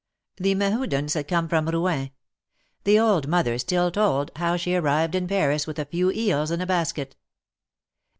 The Mehudens had come from Rouen. The old mother still told, how she had arrived in Paris with a few eels in a basket.